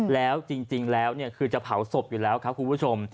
แล้วจริงแล้วคือจะเผาศพอยู่แล้วครับคุณผู้ชม